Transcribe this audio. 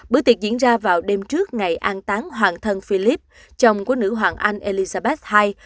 bữa tiệc diễn ra vào đêm trước ngày an tán hoàng thân philip chồng của nữ hoàng anh elizabas ii